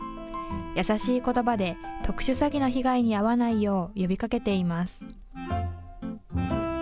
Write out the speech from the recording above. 優しいことばで特殊詐欺の被害に遭わないよう呼びかけています。